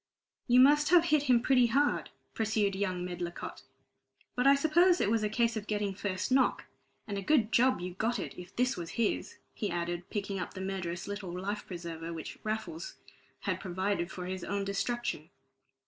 "You must have hit him pretty hard," pursued young Medlicott, "but I suppose it was a case of getting first knock. And a good job you got it, if this was his," he added, picking up the murderous little life preserver which poor Raffles had provided for his own destruction.